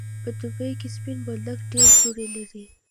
په دوبی کی سپین بولدک ډیری دوړی لری.